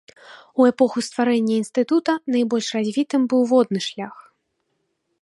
У эпоху стварэння інстытута найбольш развітым быў водны шлях.